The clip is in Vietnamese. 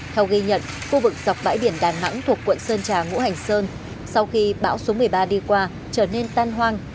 theo ghi nhận khu vực dọc bãi biển đà nẵng thuộc quận sơn trà ngũ hành sơn sau khi bão số một mươi ba đi qua trở nên tan hoang